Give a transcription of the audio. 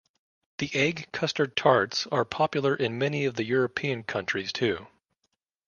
The egg custard tarts are popular in many of the European countries too.